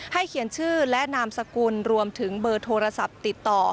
เขียนชื่อและนามสกุลรวมถึงเบอร์โทรศัพท์ติดต่อ